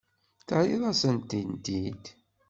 Terriḍ-asen-tent-id.